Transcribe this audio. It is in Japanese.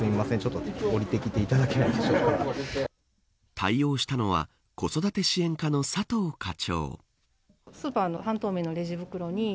対応したのは子育て支援課の佐藤課長。